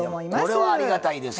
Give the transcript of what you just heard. これはありがたいですわ。